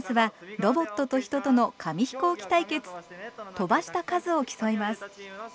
飛ばした数を競います。